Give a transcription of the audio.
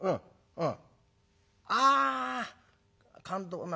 うん。